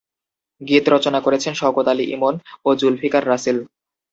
গীত রচনা করেছেন শওকত আলী ইমন ও জুলফিকার রাসেল।